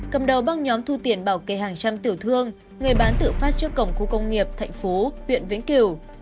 cầm đầu băng nhóm thu tiền bảo kê hàng trăm tiểu thương người bán tự phát trước cổng khu công nghiệp thạnh phú huyện vĩnh cửu